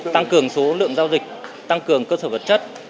tăng cường số lượng giao dịch tăng cường cơ sở vật chất